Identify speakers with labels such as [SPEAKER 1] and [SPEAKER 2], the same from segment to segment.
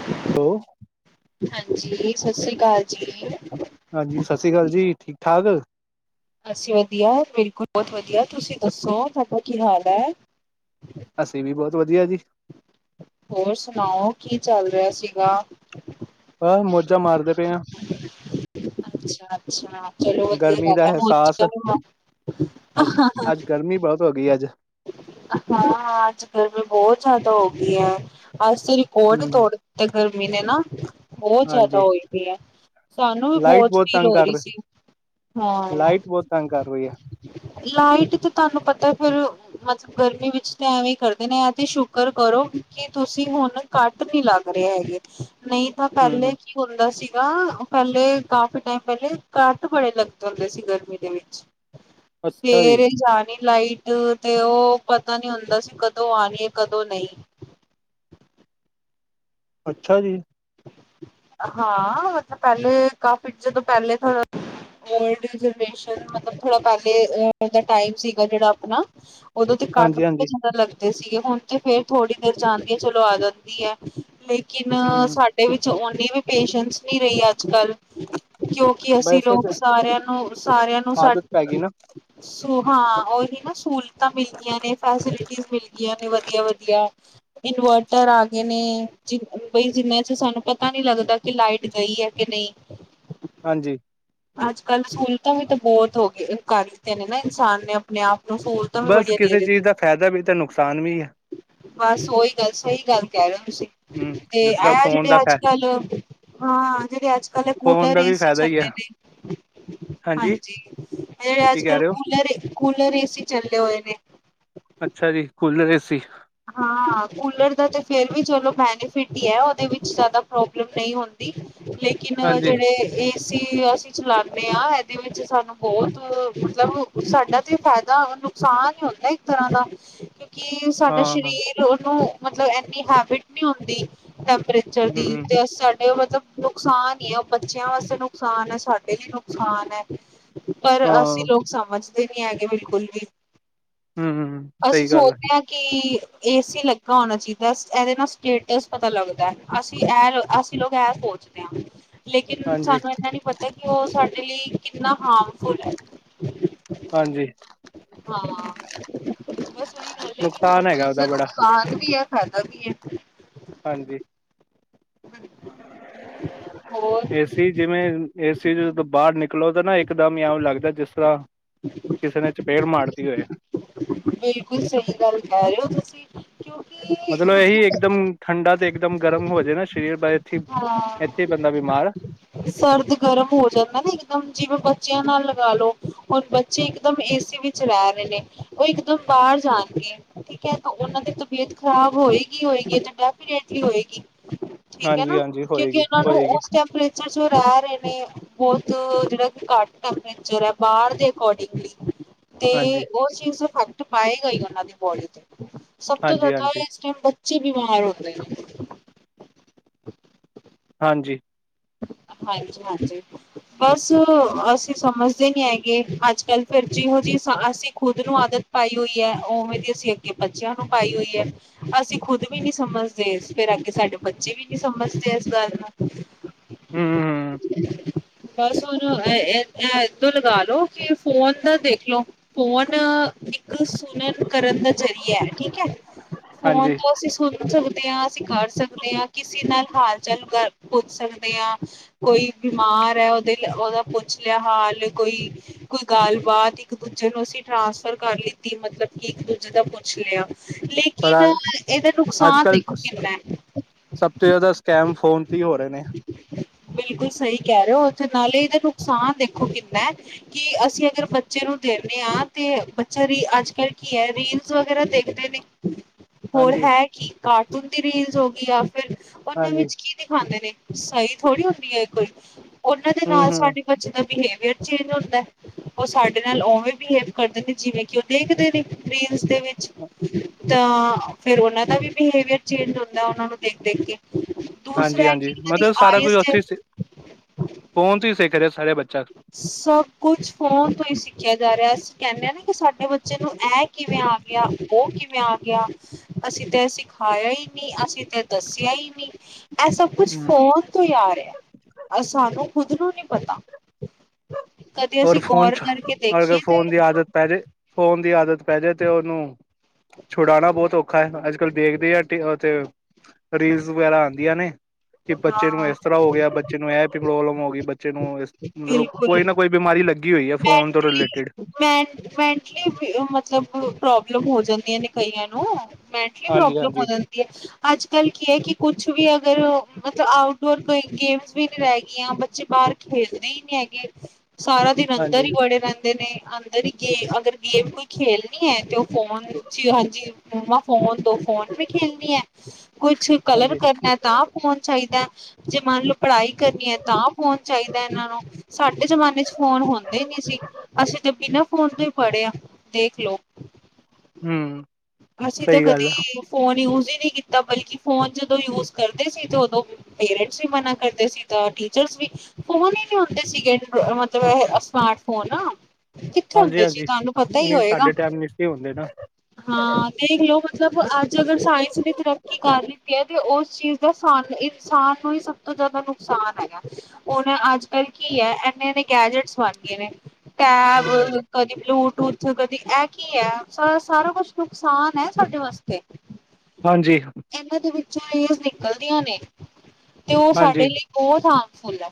[SPEAKER 1] [inaudible]
[SPEAKER 2] [unintelligible]
[SPEAKER 1] ਹਾਂਜੀ, ਸਾਸ ਸ਼੍ਰੀ ਕਾਲ ਜੀ।
[SPEAKER 2] ਹਾਂਜੀ, ਸਾਸ ਸ਼੍ਰੀ ਕਾਲ ਜੀ। ਠੀਕ-ਠਾਕ?
[SPEAKER 1] ਅਸੀਂ ਵਧੀਆ ਬਿਲਕੁਲ ਬੋਤ ਵਧੀਆ, ਤੁਸੀਂ ਦੱਸੋ ਤੁਆਡਾ ਕੀ ਹਾਲ ਐ?
[SPEAKER 2] ਅਸੀਂ ਵੀ ਬੋਹਤ ਵਧੀਆ ਜੀ।
[SPEAKER 1] ਹੋਰ ਸੁਨਾਓ ਕੀ ਚੱਲ ਰੇਹਾ ਸੀਗਾ।
[SPEAKER 2] ਅਹ ਮੋਜਾਂ ਮਾਰਦੇ ਪਏ ਆ।
[SPEAKER 1] ਅੱਛਾ-ਅੱਛਾ ਚਲੋ ਵਧੀਆ
[SPEAKER 2] ਗਰਮੀ ਦਾ
[SPEAKER 1] ਗੱਲ ਐ
[SPEAKER 2] ਅਹਿਸਾਸ
[SPEAKER 1] ਮੋਜਾਂ ਵੀ ਮਾਰਣੀ
[SPEAKER 2] ਹੋਗੀ ਅੱਜ-
[SPEAKER 1] ਹਾਂ ਅੱਜ ਗਰਮੀ ਬੋਹਤ ਜ਼ਿਆਦਾ ਹੋਗੀ ਐ ਅੱਜ- ਕੋਡ
[SPEAKER 2] ਹਮ
[SPEAKER 1] ਤੋੜ ਤੇ ਗਰਮੀ ਨੇ ਨਾ ਬੋਤ ਜਾਦਾ
[SPEAKER 2] ਹਾਂਜੀ
[SPEAKER 1] ਹੋਈ ਪਈ ਐ। ਸਾਨੂੰ ਵੀ
[SPEAKER 2] ਲਾਈਟ
[SPEAKER 1] ਬੋਜ
[SPEAKER 2] ਬਹੁਤ
[SPEAKER 1] ਫੀਲ
[SPEAKER 2] ਤੰਗ
[SPEAKER 1] ਹੋ
[SPEAKER 2] ਕਰ
[SPEAKER 1] ਰੀ ਸੀ
[SPEAKER 2] ਰਹੀ
[SPEAKER 1] ਹਾਂ।
[SPEAKER 2] ਲਾਈਟ ਬਹੁਤ ਤੰਗ ਕਰ ਰਹੀ ਹੈ
[SPEAKER 1] ਲਾਈਟ ਤੇ ਤਾਨੂੰ ਪਤਾ ਫੇਰ- ਮਤਲਬ ਗਰਮੀ ਵਿਚ ਤੇ ਐਵੇ ਹੀ ਕਰਦੇ ਨੇ ਐ ਤੇ ਸ਼ੁਕਰ ਕਰੋ ਕਿ ਤੁਸੀ ਹੁਣ- ਕਟ ਨੀ ਲੱਗ ਰੇ ਹੈਗੇ ਨਈ ਤਾਂ
[SPEAKER 2] ਹਮ
[SPEAKER 1] ਪੈਲੇ- ਕੀ ਹੁੰਦਾ ਸੀਗਾ ਪੈਲੇ ਕਾਫੀ ਟਾਈਮ ਪੈਲੇ ਕੱਟ ਬੜੇ ਲੱਗਦੇ ਹੁੰਦੇ ਸੀ ਗਰਮੀ ਦੇ ਵਿੱਚ-
[SPEAKER 2] [inaudible] ਜੀ
[SPEAKER 1] ਸਵੇਰੇ ਈ ਜਾਣੀ ਲਾਈਟ- ਤੇ ਓ ਪਤਾ ਨੀ ਹੁੰਦਾ ਸੀ ਕਦੋਂ ਆਣੀ ਏ ਕਦੋਂ ਨਈ।
[SPEAKER 2] ਅੱਛਾ ਜੀ।
[SPEAKER 1] ਹਾਂ ਮਤਲਬ ਪੈਲੇ ਕਾਫੀ ਜਦੋਂ ਪੈਲੇ ਓਲਡ ਜਨਰੇਸ਼ਨ ਮਤਲਬ ਥੋੜਾ ਪੈਲੇ ਦਾ ਟਾਈਮ ਸੀਗਾ ਜੋੜਾ ਅਪਣਾ- ਓਦੋ ਤੇ ਕੱਟ
[SPEAKER 2] ਹਾਂਜੀ
[SPEAKER 1] ਬੜੇ
[SPEAKER 2] ਹਾਂਜੀ
[SPEAKER 1] ਜਾਦਾ ਲੱਗਦੇ ਸੀਗੇ ਹੁਣ ਤੇ ਫੇਰ ਥੋੜ੍ਹੀ ਦੇਰ ਜਾਦੀ ਏ ਚਲੋ ਆ ਜਾਦੀ ਐ। ਲੇਕਿਨ
[SPEAKER 2] ਹਮ
[SPEAKER 1] ਸਾਡੇ ਵਿਚ ਓਨੀ ਵੀ ਪੇਸ਼ੈਂਸ ਨਹੀ ਰਈ ਅੱਜ-ਕੱਲ। ਕਿਉਕਿ ਅਸੀ
[SPEAKER 2] ਬਸ
[SPEAKER 1] ਲੋਕ
[SPEAKER 2] ਚ
[SPEAKER 1] ਸਾਰਿਆਂ ਨੂੰ ਸਾਰਿਆਂ ਨੂੰ ਸਾ-
[SPEAKER 2] ਆਦਤ ਪੈ ਗਈ ਨਾ
[SPEAKER 1] ਹਾਂ ਉਹੀ ਨਾ ਸਹੂਲਤਾਂ ਮਿਲ ਗਆਂ ਨੇ ਫੈਸਿਲਿਟੀਜ਼ ਮਿਲ ਗਆਂ ਨੇ ਵਧੀਆ ਵਧੀਆ- ਇਨਵਰਟਰ ਆ ਗਏ ਨੇ- ਜੇ ਬਈ ਜਿਨ੍ਹਾਂ ਚਿਰ ਸਾਨੂੰ ਪਤਾ ਨਹੀ ਲੱਗਦਾ ਕਿ ਲਾਈਟ ਗਈ ਹੈ। ਕਿ ਨਹੀ-
[SPEAKER 2] ਹਾਂਜੀ-
[SPEAKER 1] ਅੱਜ ਕੱਲ੍ਹ ਸਹੂਲਤਾਂ ਵੀ ਤਾਂ ਬਹੁਤ ਹੋ ਗਈ ਕਰ ਦਿੱਤੀਆਂ ਨੇ ਨਾ ਇਨਸਾਨ ਨੇ ਆਪਣੇ ਆਪ ਨੂੰ ਸੋਚ-
[SPEAKER 2] ਬਸ ਕਿਸੇ ਚੀਜ ਦਾ ਫਾਇਦਾ ਵੀ ਤਾਂ ਨੁਕਸਾਨ ਵੀ ਹੈ।
[SPEAKER 1] ਬਸ ਉਹੀ ਗੱਲ ਸਹੀ ਗੱਲ ਕਹਿ ਰਹੇ ਤੁਸੀਂ
[SPEAKER 2] ਹਮ
[SPEAKER 1] ਤੇ
[SPEAKER 2] ਜਿਸ ਤਰ੍ਹਾਂ
[SPEAKER 1] ਆ
[SPEAKER 2] ਫੋਨ ਦਾ
[SPEAKER 1] ਜਿਹੜੇ ਅੱਜ
[SPEAKER 2] ਫ
[SPEAKER 1] ਕੱਲ- ਹਾਂ ਜਿਹੜੇ ਅੱਜ ਕੱਲ
[SPEAKER 2] ਫੋਨ
[SPEAKER 1] ਕੂਲਰ
[SPEAKER 2] ਦਾ ਵੀ
[SPEAKER 1] ਏਸੀ
[SPEAKER 2] ਫਾਇਦਾ ਹੀ ਹੈ
[SPEAKER 1] ਚੱਲਦੇ ਨੇ- ਹਾਂਜੀ ਜਿਹੜੇ
[SPEAKER 2] ਕੀ
[SPEAKER 1] ਅੱਜ
[SPEAKER 2] ਕਹਿ
[SPEAKER 1] ਕੱਲ੍ਹ
[SPEAKER 2] ਰਹੇ ਹੋ
[SPEAKER 1] ਕੂਲਰ ਕੂਲਰ ਏ ਸੀ ਚੱਲੇ ਹੋਏ ਨੇ-
[SPEAKER 2] ਅਛਾ ਜੀ ਕੂਲਰ ਏ ਸੀ, -
[SPEAKER 1] ਹਾਂ ਕੂਲਰ ਦਾ ਤਾਂ ਫਿਰ ਵੀ ਚਲੋ ਬੈਨੀਫਿਟ ਈ ਐ ਉਹਦੇ ਵਿਚ ਜਿਆਦਾ ਪ੍ਰੋਬਲਮ ਨਹੀ ਹੁੰਦੀ। ਲੇਕਿਨ ਉਹ
[SPEAKER 2] ਹਾਂਜੀ
[SPEAKER 1] ਜਿਹੜੇ ਏਸੀ ਅਸੀ ਚਲਾਣੇ ਹਾਂ ਇਹਦੇ ਵਿੱਚ ਸਾਨੂੰ ਬਹੁਤ ਮਤਲਬ ਸਾਡਾ ਤੇ ਫਾਇਦਾ ਨੁਕਸਾਨ ਈ ਹੁੰਦਾ ਇੱਕ ਤਰ੍ਹਾਂ ਦਾ ਕਿਉਂਕਿ ਸਾਡਾ
[SPEAKER 2] ਹਾਂ
[SPEAKER 1] ਸਰੀਰ ਉਹਨੂੰ ਮਤਲਬ ਇੰਨੀ ਹੈਬਿਟ ਨਹੀਂ ਹੁੰਦੀ ਤਬ੍ਰ ਚਲਦੀ
[SPEAKER 2] ਹਮ
[SPEAKER 1] ਤੇ ਸਾਡੇ ਉਹ ਮਤਲਬ ਨੁਕਸਾਨ ਈ ਆ ਉਹ ਬੱਚਿਆਂ ਵਾਸਤੇ ਨੁਕਸਾਨ ਐ ਸਾਡੇ ਲਈ ਨੁਕਸਾਨ ਐ। ਪਰ ਅਸੀਂ
[SPEAKER 2] ਹਾਂ
[SPEAKER 1] ਲੋਕ ਸਮਝਦੇ ਨਹੀਂ ਹੈਗੇ ਬਿਲਕੁਲ ਵੀ
[SPEAKER 2] ਹੂੰ ਸਹੀ
[SPEAKER 1] ਅਸੀਂ
[SPEAKER 2] ਗੱਲ ਹੈ
[SPEAKER 1] ਸੋਚਦੇ ਹਾਂ ਕਿ ਏ ਸੀ ਲੱਗਾ ਹੋਣਾ ਚਾਹੀਦਾ ਇਹਦੇ ਨਾਲ ਸਟੇਟਸ ਪਤਾ ਲੱਗਦਾ ਅਸੀ -ਅਸੀ ਲੋਕ ਇਹ ਸੋਚਦੇ ਹਾਂ
[SPEAKER 2] [unintelligible]
[SPEAKER 1] ਲੇਕਿਨ
[SPEAKER 2] ਹਾਂਜੀ
[SPEAKER 1] ਸਾਨੂੰ ਇੰਨਾ ਨਹੀਂ ਪਤਾ ਕਿ ਉਹ ਸਾਡੇ ਲਈ ਕਿੰਨਾ ਹਾਰਮਫੁਲ ਹੈ।
[SPEAKER 2] ਹਾਂਜੀ
[SPEAKER 1] ਹਾਂ ਬਸ ਉਹੀ ਗੱਲ ਹੈ ਕਿ ਹਰ
[SPEAKER 2] ਨੁਕਸਾਨ ਹੈਗਾ
[SPEAKER 1] ਚੀਜ਼
[SPEAKER 2] ਉਹਦਾ ਬੜਾ
[SPEAKER 1] ਨੁਕਸਾਨ ਸਾਨ ਵੀ ਐ ਫਾਇਦਾ ਵੀ ਐ।
[SPEAKER 2] ਹਾਂਜੀ
[SPEAKER 1] ਹੋਰ
[SPEAKER 2] ਏਸੀ ਜਿਵੇਂ ਏਸੀ 'ਚ ਦੋਂ ਬਾਹਰ ਨਿਕਲੋ ਤਾਂ ਨਾ ਇੱਕਦਮ ਇਉਂ ਲੱਗਦਾ ਜਿਸ ਤਰ੍ਹਾਂ ਕਿਸੇ ਨੇ ਚਪੇੜ ਮਾਰਤੀ ਹੋਏ।
[SPEAKER 1] ਬਿਲਕੁਲ ਸਹੀ ਗੱਲ ਕਹਿ ਰਹੇ ਓ ਤੁਸੀ
[SPEAKER 2] ਮਤਲਬ ਇਹੀ ਇੱਕਦਮ ਠੰਡਾ ਤੇ ਇੱਕਦਮ ਗਰਮ ਹੋ ਜਾ ਨਾ ਸਰੀਰ ਬ ਇਥੇ
[SPEAKER 1] ਹਾਂ
[SPEAKER 2] ਇੱਥੇ ਬੰਦਾ ਬਿਮਾਰ
[SPEAKER 1] ਸਰਦ ਗਰਮ ਹੋ ਜਾਂਦਾ ਨਾ ਮ ਜਿਵੇਂ ਬੱਚਿਆਂ ਨਾਲ ਲਗਾ ਲੋ ਹੁਣ ਬੱਚੇ ਇਕ ਦਮ ਏਸੀ ਵਿੱਚ ਰਹਿ ਰਹੇ ਨੇ ਉਹ ਇਕਦਮ ਬਾਹਰ ਜਾਣਗੇ ਠੀਕ ਹੈ ਉਹਨਾਂ ਦੀ ਤਬੀਅਤ ਖ਼ਰਾਬ ਹੋਏਗੀ ਹੋਏਗੀ ਡੈਫਨੈਟਲੀ ਹੋਏਗੀ ਹੋਏਗੀ ਠੀਕ ਐ ਨਾ
[SPEAKER 2] ਹਾਂਜੀ ਹਾਂਜੀ
[SPEAKER 1] ਕਿਉਂਕਿ
[SPEAKER 2] ਹੋਏਗੀ
[SPEAKER 1] ਉਹਨਾਂ ਨੂੰ
[SPEAKER 2] ਹੋਏਗੀ
[SPEAKER 1] ਉਸ ਟੈਂਪਰੇਚਰ [unintelligible] ਰਹੇ ਨੇ ਜਿਹੜਾ ਕਿ ਘੱਟ ਟੈਂਪਰੇਚਰ ਹੈ ਬਾਹਰ ਦੇ ਅਕੋਰਡਿੰਗਲੀ ਤੇ
[SPEAKER 2] ਹਾਂਜੀ
[SPEAKER 1] ਉਸ ਚੀਜ਼ ਫੈਕਟ ਪਾਏਗਾ ਹੀ ਉਹਨਾਂ ਦੀ ਬੋਡੀ ਤੇ ਸਭ ਤੋਂ
[SPEAKER 2] ਹਾਂਜੀ
[SPEAKER 1] ਜ਼ਿਆਦਾ
[SPEAKER 2] ਹਾਂਜੀ
[SPEAKER 1] ਇਸ ਟਾਈਮ ਬੱਚੇ ਬਿਮਾਰ ਹੋਦੇ ਨੇ
[SPEAKER 2] ਹਾਂਜੀ
[SPEAKER 1] ਹਾਂਜੀ ਹਾਂਜੀ ਬਸ ਅਸੀਂ ਸਮਝਦੇ ਨੀ ਹੈਗੇ ਅੱਜ ਕੱਲ ਫਿਰ ਜਿਹੋ ਜਿਹੀ ਅਸੀਂ ਖੁਦ ਨੂੰ ਆਦਤ ਪਾਈ ਹੋਈ ਐ ਉਵੇਂ ਦੀ ਅਸੀਂ ਅੱਗੇ ਬੱਚਿਆਂ ਨੂੰ ਪਾਈ ਹੋਈ ਐ ਅਸੀਂ ਖੁਦ ਵੀ ਨੀ ਸਮਝਦੇ ਫਿਰ ਅੱਗੇ ਸਾਡੇ ਬੱਚੇ ਵੀ ਨੀ ਸਮਝਦੇ ਇਸ ਗੱਲ
[SPEAKER 2] ਹੂੰ ਹੂੰ
[SPEAKER 1] ਨੂੰ [unintelligible] ਬਸ ਉਹਨੂੰ ਇਦਾਂ ਲਗਾ ਲੋ ਕਿ ਫੋਨ ਦਾ ਦੇਖਲੋ ਫੋਨ ਇੱਕ ਸੁਣਨ ਕਰਨ ਦਾ ਜ਼ਰੀਆ ਏ, ਠੀਕ ਐ? ਫੋਨ
[SPEAKER 2] ਹਾਂਜੀ
[SPEAKER 1] ਤੋਂ ਅਸੀਂ ਸੁਣ ਪੁੱਛ ਸਕਦੇ ਹਾਂ, ਅਸੀਂ ਕਰ ਸਕਦੇ ਹਾਂ, ਕਿਸੇ ਨਾਲ ਹਾਲ- ਚਾਲ ਪੁੱਛ ਸਕਦੇ ਹਾਂ। ਕੋਈ ਬਿਮਾਰ ਐ, ਉਹਦੇ ਉਹਦਾ ਪੁੱਛ ਲਿਆ ਹਾਲ ਕੋਈ ਕੋਈ ਗੱਲਬਾਤ ਇੱਕ ਦੂਜੇ ਨੂੰ ਅਸੀਂ ਟ੍ਰਾਂਸਫਰ ਕਰ ਲਿੱਤੀ ਮਤਲਬ ਕਿ ਇੱਕ ਦੂਜੇ ਦਾ ਪੁੱਛ ਲਿਆ।
[SPEAKER 2] ਪਰ
[SPEAKER 1] ਲੇਕਿਨ, ਇਹਦਾ
[SPEAKER 2] ਅੱਜ
[SPEAKER 1] ਨੁਕਸਾਨ
[SPEAKER 2] ਕੱਲ
[SPEAKER 1] ਦੇਖੋ ਕਿੰਨਾ ਏ।
[SPEAKER 2] ਸਭ ਤੋਂ ਜ਼ਿਆਦਾ ਸਕੈਮ ਫੋਨ ਤੇ ਹੀ ਹੋ ਰਹੇ ਨੇ।
[SPEAKER 1] ਬਿਲਕੁਲ ਸਹੀ ਕਹਿ ਰਹੇ ਹੋ, ਨਾਲੇ ਇਹਦਾ ਨੁਕਸਾਨ ਦੇਖੋ ਕਿੰਨਾ ਐ ਕਿ ਅਸੀਂ ਅਗਰ ਬੱਚੇ ਨੂੰ ਦੇਨੇ ਆਂ, ਤੇ ਬੱਚਾ ਰੀ ਅੱਜ ਕੱਲ੍ਹ ਕੀ ਹੈ, ਰੀਲਸ ਵਗੈਰਾ ਦੇਖਦੇ ਨੇ। ਹੋਰ
[SPEAKER 2] ਹਾਂਜੀ
[SPEAKER 1] ਹੈ ਕੀ ਕਾਰਟੂਨ ਦੀ ਰੀਲਜ਼ ਹੋ ਗਈ ਆ ਫਿਰ ਉਹਨਾਂ
[SPEAKER 2] ਹਾਂਜੀ
[SPEAKER 1] ਵਿੱਚ ਕੀ [inaudible] ਖਾਂਦੇ ਨੇ ਸਹੀ ਥੋੜ੍ਹੀ ਹੁੰਦੀ ਹੈ ਐ ਕੋਈ ਇਹਨਾਂ ਦੇ
[SPEAKER 2] ਹੂੰ
[SPEAKER 1] ਨਾਲ
[SPEAKER 2] ਹੂੰ
[SPEAKER 1] ਸਾਡੇ ਬੱਚੇ ਦਾ ਬਿਹੇਵਅਰ ਚੇਂਜ ਹੁੰਦੇ ਉਹ ਸਾਡੇ ਨਾਲ ਉਵੇਂ ਬਿਹੇਵ ਕਰਦੇ ਨੇ, ਜਿਵੇਂ ਕਿ, ਉਹ ਦੇਖਦੇ ਨੇ ਰੀਲਸ ਦੇ ਵਿੱਚ। ਤਾਂ ਫੇਰ ਉਹਨਾਂ ਦਾ ਵੀ ਬਿਹੇਵੀਅਰ ਚੇਂਜ ਹੁੰਦਾ, ਉਹਨਾਂ ਨੂੰ ਦੇਖ ਦੇਖ ਕੇ। ਦੂਸਰਾ ਹੈ
[SPEAKER 2] ਹਾਂਜੀ-ਹਾਂਜੀ,
[SPEAKER 1] ਕਿ ਉਹਨਾਂ ਦੀ
[SPEAKER 2] ਮਤਲਬ ਸਾਰਾ ਕੁਝ
[SPEAKER 1] ਆਈਜ਼
[SPEAKER 2] ਉੱਥੇ ਹੀ ਸ ਫੌਨ ਤੋਂ ਹੀ ਸਿੱਖ ਰਿਹਾ ਸਾਰੇ ਬੱਚਾ
[SPEAKER 1] ਸਭ ਕੁਛ ਫੋਨ ਤੋਂ ਹੀ ਸਿੱਖਿਆ ਜਾ ਰਿਹਾ ਅਸੀਂ ਕਹਿੰਦੇ ਹਾਂ ਨਾ ਕਿ ਸਾਡੇ ਬੱਚੇ ਨੂੰ ਇਹ ਕਿਵੇਂ ਆ ਗਿਆ, ਉਹ ਕਿਵੇਂ ਆ ਗਿਆ? ਅਸੀਂ ਤੇ ਸਿਖਾਇਆ ਈ ਨੀ, ਅਸੀਂ ਤੇ ਦੱਸਿਆ ਈ ਨੀ। ਇਹ ਸਭ ਕੁਛ ਫੋਨ ਤੋਂ ਹੀ ਆ ਰਿਹਾ, ਸਾਨੂੰ ਖੁਦ ਨੂੰ ਨੀ ਪਤਾ। ਕਦੇ
[SPEAKER 2] ਹੋਰ
[SPEAKER 1] ਅਸੀਂ
[SPEAKER 2] ਫੋਨ
[SPEAKER 1] ਗੌਰ
[SPEAKER 2] ਚ
[SPEAKER 1] ਕਰਕੇ
[SPEAKER 2] ਅਗਰ
[SPEAKER 1] ਦੇਖੀਏ ਤੇ
[SPEAKER 2] ਫੋਨ ਦੀ ਆਦਤ ਪੈ ਜਾਏ ਫੋਨ ਦੀ ਆਦਤ ਪੈ ਜਾਏ, ਤੇ ਉਹਨੂੰ ਛੁਡਾਉਣਾ ਬਹੁਤ ਔ ਔਖਾ ਅੱਜ-ਕੱਲ੍ਹ ਦੇਖਦੇ ਆ ਰੀਲਸ ਵਗੈਰਾ ਆਉਂਦੀਆਂ ਨੇ ਕਿ ਬੱਚੇ ਨੂੰ
[SPEAKER 1] ਹਾਂ
[SPEAKER 2] ਇਸ ਤਰ੍ਹਾਂ ਹੋ ਗਿਆ, ਬੱਚੇ ਨੂੰ ਇਹ ਵੀ ਪ੍ਰੋਬਲਮ ਹੋ ਗਈ, ਬੱਚੇ ਨੂੰ ਇਸ ਮਤਲਬ
[SPEAKER 1] ਬਿਲਕੁਲ
[SPEAKER 2] ਕੋਈ ਨਾ ਕੋਈ ਬਿਮਾਰੀ ਲੱਗੀ ਹੋਈ ਹੈ, ਫੋਨ ਤੋਂ
[SPEAKER 1] ਮੈਂਟਲੀ
[SPEAKER 2] ਰਿਲੇਟਿਡ।
[SPEAKER 1] ਮੈਂ ਮੈਂਟਲੀ ਮਤਲਬ ਪ੍ਰੋਬਲਮ ਹੋ ਜਾਂਦੀਆਂ ਨੇ ਕਈਆਂ ਨੂੰ ਮੈ ਟਲੀ
[SPEAKER 2] ਹਾਂਜੀ
[SPEAKER 1] ਪ੍ਰੋਬਲਮ ਹੋ
[SPEAKER 2] ਹਾਂਜੀ
[SPEAKER 1] ਜਾਂਦੀ ਐ ਅੱਜ ਕੱਲ੍ਹ ਕੀ ਹੈ, ਕਿ ਕੁਛ ਵੀ ਅਗਰ ਮਤਲਬ ਆਊਟਡੋਰ ਕੋਈ ਗੇਮਸ ਵੀ ਨਹੀਂ ਰਹਿ ਗਈਆਂ, ਬੱਚੇ ਬਾਹਰ ਖੇਲਦੇ ਹੀ ਨੀ ਹੈਗੇ, ਸਾਰਾ ਦਿਨ ਅੰਦਰ
[SPEAKER 2] ਹਾਂਜੀ
[SPEAKER 1] ਹੀ ਵੜੇ ਰਹਿੰਦੇ ਨੇ ਅੰਦਰ ਹੀ ਗੇਮ ਅਗਰ ਗੇਮ ਕੋਈ ਖੇਲਣੀ ਏ ਤੇ ਉਹ ਫੋਨ 'ਚ ਹਾਂਜੀ ਮੰਮਾ ਫੋਨ ਦੋ ਫੋਨ ਵੀ ਖੇਲਣੀ ਐ ਕੁਛ ਕਲਰ
[SPEAKER 2] ਹਾਂਜੀ
[SPEAKER 1] ਕਰਨਾ ਤਾਂ ਫ਼ੋਨ ਚਾਹੀਦੇ ਜੇ ਮੰਨ ਲੋ ਪੜ੍ਹਾਈ ਕਰਨੀ ਏ, ਤਾਂ ਫੋਨ ਚਾਹੀਦਾ ਇਹਨਾਂ ਨੂੰ ਸਾਡੇ ਜ਼ਮਾਨੇ ਚ ਫੋਨ ਹੁੰ -ਦੇ ਨੀ ਸੀ, ਅਸੀਂ ਤਾਂ ਬਿਨਾਂ ਫੋਨ ਤੋਂ ਹੀ ਪੜ੍ਹੇ ਹ ਦੇਖ ਲਓ।
[SPEAKER 2] ਹਮ।
[SPEAKER 1] ਅਸੀਂ ਤਾਂ
[SPEAKER 2] ਸਹੀ ਗੱਲ ਆ
[SPEAKER 1] ਕਦੀ ਫੋਨ ਯੂਜ ਹੀ ਨੀ ਕੀਤਾ, ਬਲਕਿ ਫੋਨ ਜਦੋਂ ਯੂਜ ਕਰਦੇ ਸੀ ਤੇ ਉਦੋਂ ਪੇਰੈਂਟਸ ਵੀ ਮਨਾ ਕਰਦੇ ਸੀ, ਤਾਂ ਟੀਚਰਸ ਵੀ ਫੋਨ ਹੀ ਨੀ ਹੁੰਦੇ ਸੀਗੇ, ਮਤਲਬ ਸਮਾਰਟ ਫ਼ੋਨ ਕਿੱਥੇ ਹੁੰਦੇ ਸੀ, ਤੁਹਾਨੂੰ ਪਤਾ ਹੀ ਹੋਏਗਾ?
[SPEAKER 2] ਇਹ ਹੁੰਦੇ ਨਾ-
[SPEAKER 1] ਹਾਂ, ਦੇਖ ਲਓ ਮਤਲਬ ਅੱਜ ਅਗਰ ਸਾਇੰਸ ਨੇ ਤਰੱਕੀ ਕਰ ਦਿੱਤੀ ਹੈ, ਤੇ ਉਸ ਚੀਜ਼ [inaudible] ਇਨਸਾਨ ਨੂੰ ਹੀ ਸਭ ਤੋਂ ਜ਼ਿਆਦਾ ਨੁਕਸਾਨ ਹੈਗਾ। ਉਹ ਨੇ ਅੱਜ ਕੱਲ੍ਹ ਕੀ ਹੈ? ਐਨੇ ਇਨੇ ਗੈਜਟਸ ਬਣ ਗਏ ਨੇ ਟੈਬ, ਕਦੀ ਬਲੂਟੂਥ ਕਦੀ ਇਹ ਕੀ ਹੈ? ਸ ਸਾਰਾ ਕੁਛ ਨੁਕਸਾਨ ਐ ਸਾਡੇ ਵਾਸਤੇ।
[SPEAKER 2] ਹਾਂਜੀ।
[SPEAKER 1] ਇਹਨਾਂ ਦੇ ਵਿੱਚੋਂ ਰੇਜ਼ ਨਿਕਲਦੀਆਂ ਨੇ ਤੇ ਉਹ
[SPEAKER 2] ਹਾਂਜੀ
[SPEAKER 1] ਸਾਡੇ ਲਈ ਬਹੁਤ ਹਾਰਮਫੁੱਲ ਐ।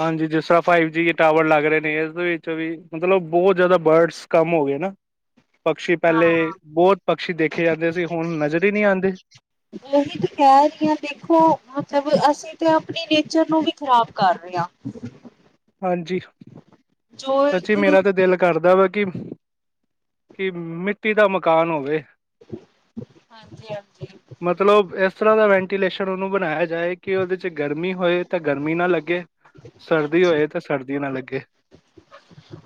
[SPEAKER 2] ਹਾਂਜੀ ਜਿਸ ਤਰ੍ਹਾਂ ਫਾਈਵ ਜੀ ਟਾਵਰ ਲੱਗ ਰਹੇ ਨੇ ਇਸਦੇ ਵਿੱਚ ਵੀ ਮਤਲਬ ਬਹੁਤ ਜ਼ਿਆਦਾ ਬਰਡਸ ਕੰਮ ਹੋ ਗਏ ਨਾ। ਪਕਸ਼ੀ ਪਹਿਲੇ
[SPEAKER 1] ਹਾਂ
[SPEAKER 2] ਬੋਤ ਪਕਸ਼ੀ ਦੇਖੇ ਜਾਂਦੇ ਸੀ ਹੁਣ ਨਜ਼ਰ ਈ ਨ੍ਹੀਂ ਆਂਦੇ।
[SPEAKER 1] ਉਹੀ ਤਾਂ ਕਹਿ ਰਹੀ ਹਾਂ ਦੇਖੋ, ਮਤਲਬ ਅਸੀ ਤੇ ਆਪਣੀ ਨੇਚਰ ਨੂੰ ਵੀ ਖ਼ਰਾਬ ਕਰ ਰੇ ਆਂ।
[SPEAKER 2] ਹਾਂਜੀ,
[SPEAKER 1] ਜੋ ਇੱਕ
[SPEAKER 2] ਸੱਚੀ ਮੇਰਾ ਤੇ ਦਿਲ ਕਰਦਾ ਵਾ ਕਿ ਕਿ ਮਿੱਟੀ ਦਾ ਮਕਾਨ ਹੋਵੇ
[SPEAKER 1] ਹਾਂਜੀ ਹਾਂਜੀ।
[SPEAKER 2] ਮਤਲਬ ਇਸ ਤਰ੍ਹਾਂ ਦਾ ਵੈਂਟੀਲੇਸ਼ਨ ਉਹਨੂੰ ਬਣਾਇਆ ਜਾਏ ਕਿ ਉਹਦੇ ਚ ਗਰਮੀ ਹੋਏ ਤਾਂ ਗਰਮੀ ਨਾ ਲੱਗੇ। ਸਰਦੀ
[SPEAKER 1] ਹਾਂਜੀ
[SPEAKER 2] ਹੋਏ ਤੇ ਸਰਦੀ ਨਾ ਲੱਗੇ।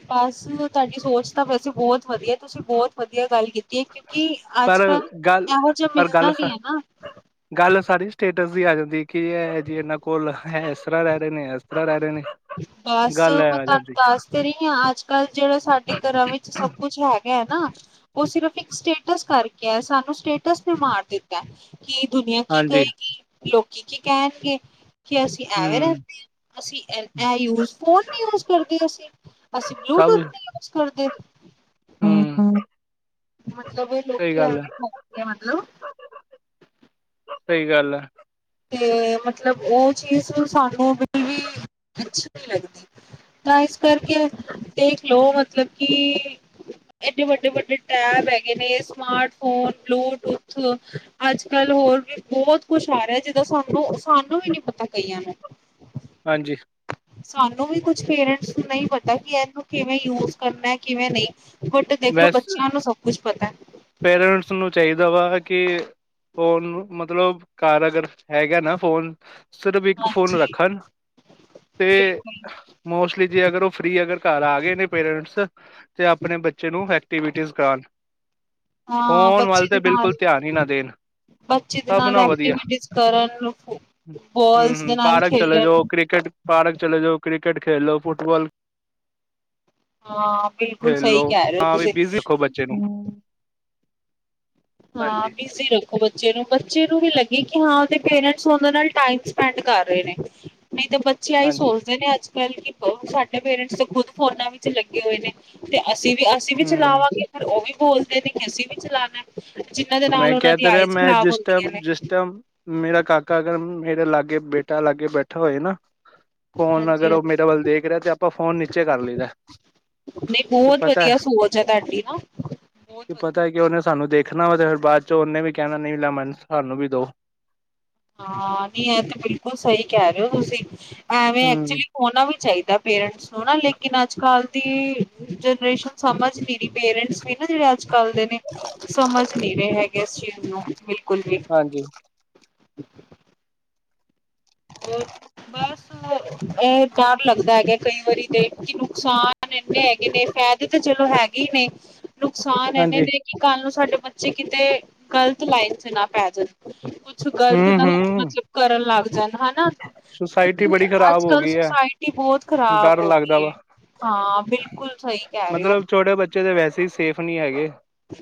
[SPEAKER 1] ਬਸ ਤੁਹਾਡੀ ਸੋਚ ਤਾਂ ਵੈਸੇ ਬਹੁਤ ਵਧੀਆ ਤੁਸੀਂ ਬਹੁਤ ਵਧੀਆ ਗੱਲ ਕੀਤੀ ਐ ਕਿਉਂਕਿ
[SPEAKER 2] ਪਰ
[SPEAKER 1] ਅੱਜ-ਕੱਲ੍ਹ ਇਹੋ ਜਿਹਾ ਮਿਲਦਾ ਨਈ ਐ ਨਾ।
[SPEAKER 2] ਹ [unintelligible] ਗੱਲ ਸਾਰੀ ਸਟੇਟਸ ਦੀ ਆ ਜਾਂਦੀ ਕਿ ਇਹ ਜੀ ਇਹਨਾਂ ਕੋਲ ਇਸ ਤਰ੍ਹਾਂ ਰਹਿ ਰਹੇ ਨੇ, ਇਸ ਤਰ੍ਹਾਂ ਰਹਿ ਰਹੇ ਨੇ।
[SPEAKER 1] ਬਸ
[SPEAKER 2] ਗੱਲ ਇਹ
[SPEAKER 1] ਮੈਂ
[SPEAKER 2] ਆ
[SPEAKER 1] ਤੁਹਾਨੂੰ
[SPEAKER 2] ਜਾਂਦੀ
[SPEAKER 1] ਦਸ ਤੇ ਰਈ ਅੱਜ-ਕੱਲ੍ਹ ਜਿਹੜਾ ਸਾਡੇ ਘਰਾਂ ਵਿੱਚ ਸਭ ਕੁਛ ਹੈਗਾ ਹੈ ਨਾ ਉਹ ਸਿਰਫ ਇੱਕ ਸਟੇਟਸ ਕਰਕੇ ਆ ਸਾਨੂੰ ਸਟੇਟਸ ਤੇ ਮਾਰ ਦਿੱਤਾ ਕੀ ਦੁਨੀਆਂ ਕੀ
[SPEAKER 2] ਹਾਂਜੀ
[SPEAKER 1] ਕਹੇਗੀ, ਲੋਕੀ ਕੀ ਕਹਿਣਗੇ? ਕਿ ਅਸੀਂ ਐਵੇਂ
[SPEAKER 2] ਹਮ
[SPEAKER 1] ਰਹਿੰਦੇ ਆਂ, ਅਸੀਂ ਇਹ ਯੂਜ ਫੋਨ ਨੀ ਯੂਜ ਕਰਦੇ ਅਸੀਂ ਅਸੀਂ ਬਲੂਟੂਥ ਨੀ ਯੂਜ ਕਰਦੇ।
[SPEAKER 2] ਹਂ।
[SPEAKER 1] ਮਤਲਬ ਲੋਕੀ ਆ [unintelligible] ਆ ਮਤਲਬ
[SPEAKER 2] ਸਹੀ ਗੱਲ ਐ।
[SPEAKER 1] ਤੇ ਮਤਲਬ ਉਹ ਚੀਜ਼ ਸਾਨੂੰ ਬ ਵੀ ਅੱਛੀ ਨਈਂ ਲੱਗਦੀ। ਤਾਂ ਇਸ ਕਰਕੇ ਦੇਖਲੋ ਮਤਲਬ ਕਿ ਏਡੇ ਵੱਡੇ-ਵੱਡੇ ਟੈਬ ਹੈਗੇ ਨੇ, ਸਮਾਰਟਫੋਨ ਬਲੂਟੂਥ ਅੱਜ-ਕੱਲ੍ਹ ਹੋਰ ਵੀ ਬਹੁਤ ਕੁਛ ਆ ਰਿਹਾ ਜਿਦਾਂ ਸਾਨੂੰ ਸਾਨੂੰ ਵੀ ਨੀ ਪਤਾ ਕਹੀਆਂ ਨੂੰ।
[SPEAKER 2] ਹਾਂਜੀ।
[SPEAKER 1] ਸਾਨੂੰ ਵੀ ਕੁਛ ਪੇਰੈਂਟਸ ਨੂੰ ਨਈਂ ਪਤਾ ਕਿ ਇਹਨੂੰ ਕਿਵੇਂ ਯੂਜ ਕਰਨਾ ਕਿਵੇਂ ਨਈਂ। ਬਟ ਦੇਖਲੋ
[SPEAKER 2] ਬਸ
[SPEAKER 1] ਬੱਚਿਆਂ ਨੂੰ ਸਭ ਕੁਛ ਪਤਾ।
[SPEAKER 2] ਪੇਰੈਂਟਸ ਨੂੰ ਚਾਈਦਾ ਵਾ ਕਿ ਫੋਨ ਨੂੰ ਮਤਲਬ ਘਰ ਅਗਰ ਹੈਗਾ ਨਾ ਫੋਨ ਸਿਰਫ ਇੱਕ ਫੋਨ
[SPEAKER 1] ਹਾਂਜੀ
[SPEAKER 2] ਰੱਖਣ ਤੇ
[SPEAKER 1] ਬਿਲਕੁਲ
[SPEAKER 2] ਮੋਸਟਲੀ ਜੇ ਅਗਰ ਉਹ ਫ੍ਰਰੀ ਅਗਰ ਘਰ ਆ ਗਏ ਨੇ ਪੇਰੈਂਟਸ ਤੇ ਆਪਣੇ ਬੱਚੇ ਨੂੰ ਐਕਟੀਵਿਟੀ ਕਰਾਨ
[SPEAKER 1] ਹਾਂ
[SPEAKER 2] ਫੋਨ ਵੱਲ
[SPEAKER 1] ਬੱਚੇ
[SPEAKER 2] ਤੇ
[SPEAKER 1] ਦੇ ਨਾਲ
[SPEAKER 2] ਬਿਲਕੁਲ ਧਿਆਨ ਈ ਨਾ ਦੇਣ।
[SPEAKER 1] ਬੱਚੇ ਦੇ
[SPEAKER 2] ਸਭ
[SPEAKER 1] ਨਾਲ
[SPEAKER 2] ਨਾ ਵਧੀਆ
[SPEAKER 1] ਐਕਟੀਵਿਟੀਜ਼ ਕਰਨ
[SPEAKER 2] ਹਂ,
[SPEAKER 1] ਬੋਲਸ ਦੇ
[SPEAKER 2] ਹਂ
[SPEAKER 1] ਨਾਲ
[SPEAKER 2] ਪਾਰਕ ਚਲੇ ਜਾਓ,
[SPEAKER 1] ਖੇਲਣ
[SPEAKER 2] ਕ੍ਰਿਕਟ ਪਾਰਕ ਚਲੇ ਜਉ ਕ੍ਰਿਕਕੇਟ ਖੇਲ ਲੋ ਫੁਟਬਾਲ
[SPEAKER 1] ਹਾਂ ਬਿਲਕੁਲ ਸਹੀ ਕਹਿ ਰਹੇ ਹੋ ਤੁਸੀਂ।
[SPEAKER 2] ਚੇ ਨੂੰ
[SPEAKER 1] ਹਾਂ
[SPEAKER 2] ਹਾਂਜੀ
[SPEAKER 1] ਬੀਜੀ ਉਹ ਬੱਚੇ ਨੂੰ ਬੱਚੇ ਨੂੰ ਵੀ ਲੱਗੇ ਕਿ ਹਾਂ ਉਹਦੇ ਪੇਰੈਂਟਸ ਉਹਦੇ ਨਾਲ ਟਾਈਮ ਸਪੈਂਡ ਕਰ ਰਹੇ ਨੇ। ਨਈ ਤੇ ਬੱਚੇ ਆਹੀਂ
[SPEAKER 2] ਹਾਂਜੀ
[SPEAKER 1] ਸੋਚਦੇ ਕੇਨ ਅੱਜ ਕੱਲ੍ਹ ਕਿ [unintelligible] ਸਾਡੇ ਪੇਰੈਂਟਸ ਤਾਂ ਖ਼ੁਦ ਫੋਨਾਂ ਵਿੱਚ ਲੱਗੇ ਹੋਏ ਨੇ ਤੇ ਅਸੀਂ ਵੀ ਆ ਅਸੀਂ ਵੀ
[SPEAKER 2] ਹੂੰ
[SPEAKER 1] ਚਲਾਵਾਂਗੇ ਫਿਰ ਉਹ ਵੀ ਬੋਲਦੇ ਨੇ ਕਿ ਅਸੀਂ ਵੀ ਚਲਾਣਾ, ਜਿਨਾਂ ਦਾ
[SPEAKER 2] ਮੈਂ ਕਹਿ ਤਾਂ ਰਿਹਾ ਮੈਂ ਜਿਸ ਟਾਈਮ ਜਿਸ ਟਾਈਮ ਮੇਰਾ ਕਾਕਾ ਅਗਰ ਮੇਰੇ ਲਾਗੇ, ਬੇਟਾ ਲਾਗੇ ਬੈਠਾ ਹੋਏ ਨਾ। ਫੋਨ
[SPEAKER 1] ਹਾਂਜੀ
[SPEAKER 2] ਅਗਰ ਉਹ ਮੇਰੇ ਵੱਲ ਦੇਖ ਰਿਹਾ ਤੇ, ਆਪਾਂ ਫੋਨ ਨੀਚੇ ਕਰ ਲਈਦਾ।
[SPEAKER 1] ਨਹੀਂ
[SPEAKER 2] ਕਿ
[SPEAKER 1] ਬਹੁਤ
[SPEAKER 2] ਪਤਾ
[SPEAKER 1] ਵਧੀਆ ਸੋਚ ਹੈ, ਤੁਹਾਡੀ ਨਾ। ਬਹੁਤ
[SPEAKER 2] ਕੀ
[SPEAKER 1] ਵਧੀਆ
[SPEAKER 2] ਪਤਾ ਕਿ ਉਹਨੇ ਸਾਨੂੰ ਦੇਖਣਾ ਵਾ, ਤੇ ਫਿਰ ਬਾਅਦ ਚ ਉਹਨੇ ਵੀ ਕਹਿਣਾ ਨਹੀਂ, ਲੈ ਮੈਨੂੰ ਸਾਨੂੰ ਵੀ ਦੋ।
[SPEAKER 1] ਹਾਂ, ਨੀ ਇਹ ਤੇ ਬਿਲਕੁਲ ਸਹੀ ਕਹਿ ਰਹੇ ਹੋ, ਤੁਸੀਂ ਐਵੇਂ ਐਕਚੁਲੀ।
[SPEAKER 2] ਹੂੰ
[SPEAKER 1] ਹੋਣਾ ਵੀ ਚਾਹੀਦਾ ਪੇਰੈਂਟਸ ਨੂੰ। ਹਨਾ, ਲੇਕਿਨ ਅੱਜ ਕੱਲ੍ਹ ਦੀ ਜਨਰੇਸ਼ਨ ਸਮਝ ਨਹੀਂ ਰਹੀ, ਪੇਰੈਂਟਸ ਵੀ ਨਾ ਜਿਹੜੇ ਅੱਜ ਕੱਲ ਦੇ ਨੇ। ਸਮਝ ਨਹੀਂ ਰਹੇ ਹੈਗੇ, ਇਸ ਚੀਜ਼ ਨੂੰ ਬਿਲਕੁਲ ਵੀ।
[SPEAKER 2] ਹਾਂਜੀ।
[SPEAKER 1] ਹੂੰ। ਹੋਰ ਬਸ। ਇਹ ਡਰ ਲੱਗਦਾ ਹੈਗਾ, ਕਈ ਵਾਰੀ ਤੇ ਕਿ ਨੁਕਸਾਨ ਇੰਨੇ ਹੈਗੇ ਨੇ, ਫਾਇਦੇ ਤਾਂ ਚਲੋ ਹ ਹੈਗੇ ਨੇ। ਨੁਕਸਾਨ ਇਹਨੇ
[SPEAKER 2] ਹਾਂਜੀ
[SPEAKER 1] ਨੇ ਕਿ, ਕੱਲ ਨੂੰ ਸਾਡੇ ਬੱਚੇ, ਕਿਤੇ ਗਲਤ ਲਾਈਨ ਚ ਨਾ ਪੈ ਜਾਣ। ਕੁਛ ਗਲਤ
[SPEAKER 2] ਹੂੰ
[SPEAKER 1] ਨਾ,
[SPEAKER 2] ਹੂੰ
[SPEAKER 1] ਮਤਲਬ ਕਰਨ ਲੱਗ ਜਾਣ। ਹਨਾ,
[SPEAKER 2] ਸੁਸਾਇਟੀ
[SPEAKER 1] ਕਿਉਂਕਿ
[SPEAKER 2] ਬੜੀ ਖ਼ਰਾਬ
[SPEAKER 1] ਅੱਜ
[SPEAKER 2] ਹੋ
[SPEAKER 1] ਕੱਲ੍ਹ
[SPEAKER 2] ਗਈ ਹੈ
[SPEAKER 1] ਸੁਸਾਇਟੀ ਬਹੁਤ ਖਰਾਬ
[SPEAKER 2] ਡਰ
[SPEAKER 1] ਹੋ
[SPEAKER 2] ਲੱਗਦਾ
[SPEAKER 1] ਗਈ
[SPEAKER 2] ਵਾ
[SPEAKER 1] ਹੈ। ਹਾਂ, ਬਿਲਕੁਲ ਸਹੀ ਕਹਿ ਰੇ।
[SPEAKER 2] ਮਤਲਬ, ਛੋਟੇ ਬੱਚੇ ਤਾਂ ਵੈਸੇ ਹੀ ਸੇਫ ਨਹੀਂ ਹੈਗੇ।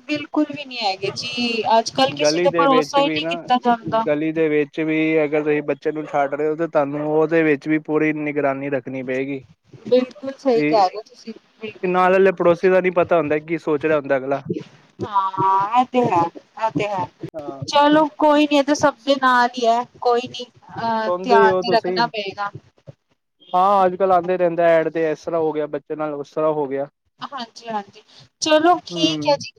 [SPEAKER 1] ਬਿਲਕੁਲ ਵੀ ਨਹੀਂ ਹੈਗੇ ਜੀ, ਅੱਜ ਕੱਲ ਕਿਸੇ ਤੇ ਭਰੋਸਾ ਹੀ ਨਹੀਂ ਕੀਤਾ ਜਾਂਦਾ।
[SPEAKER 2] ਗਲ਼ੀ ਦੇ ਵਿੱਚ ਵੀ, ਅਗਰ ਤੁਸੀਂ ਬੱਚੇ ਨੂੰ ਛੱਡ ਰਹੇ ਹੋ, ਤਾਂ ਤੁਹਾਨੂੰ ਉਹਦੇ ਵਿੱਚ ਵੀ, ਪੂਰੀ ਨਿਗਰਾਨੀ ਰੱਖਣੀ ਪਏਗੀ।
[SPEAKER 1] ਬਿਲਕੁਲ ਸਹੀ ਕਹਿ ਰਹੇ ਹੋ ਤੁਸੀਂ
[SPEAKER 2] ਤੇ
[SPEAKER 1] ਬਿਲਕੁਲ ਸਹੀ
[SPEAKER 2] ਨਾਲ ਵਾਲੇ ਪੜੋਸੀ ਦਾ ਨੀ ਪਤਾ ਹੁੰਦਾ, ਕੀ ਸੋਚ ਰਿਹਾ ਹੁੰਦਾ। ਅਗਲਾ
[SPEAKER 1] ਹਾਂ, ਇਹ ਤੇ ਹੈ, ਇਹ ਤੇ ਹੈ,
[SPEAKER 2] ਹਾਂ
[SPEAKER 1] ਚਲੋ। ਕੋਈ ਨੀ, ਇਹ ਤਾਂ ਸਭ ਦੇ ਨਾਲ ਹੀ ਹੈ, ਕੋਈ ਨੀ ਅਹ
[SPEAKER 2] ਸੁਣਦੇ ਹੀ
[SPEAKER 1] ਧਿਆਨ
[SPEAKER 2] ਹੋ
[SPEAKER 1] ਤੇ
[SPEAKER 2] ਤੁਸੀਂ
[SPEAKER 1] ਰੱਖਣਾ ਪਏਗਾ।
[SPEAKER 2] ਹਾਂ, ਅੱਜ ਕੱਲ੍ਹ ਆਉਂਦੇ ਰਹਿੰਦਾ ਐਡ ਤੇ, ਇਸ ਤਰ੍ਹਾਂ ਹੋ ਗਿਆ ਬੱਚੇ ਨਾਲ, ਉਸ ਤਰ੍ਹਾਂ ਹੋ ਗਿਆ।
[SPEAKER 1] ਹਾਂਜੀ, ਹਾਂਜੀ ਚਲੋ ਠੀਕ
[SPEAKER 2] ਹਮ
[SPEAKER 1] ਹੈ ਜੀ,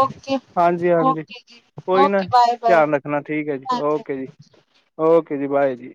[SPEAKER 1] ਓਕੇ-
[SPEAKER 2] ਹਾਂਜੀ ਹਾਂਜੀ
[SPEAKER 1] ਓਕੇ ਜੀ।
[SPEAKER 2] ਕੋਈ ਨਾ
[SPEAKER 1] ਓਕੇ ਬਾਏ ਬਾਏ
[SPEAKER 2] ਧਿਆਨ ਰੱਖਣਾ ਠੀਕ ਹੈ ਜੀ, ਓਕੇ
[SPEAKER 1] ਹਾਂਜੀ
[SPEAKER 2] ਜੀ- ਓਕੇ ਜੀ ਬਾਏ ਜੀ।